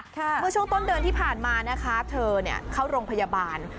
เมื่อช่วงต้นเดือนที่ผ่านมานะคะเธอเนี่ยเข้าโรงพยาบาล